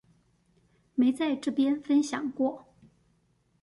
沒在這邊分享過